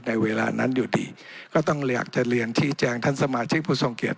เวลานั้นอยู่ดีก็ต้องอยากจะเรียนชี้แจงท่านสมาชิกผู้ทรงเกียจ